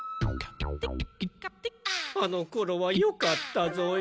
あのころはよかったぞよ。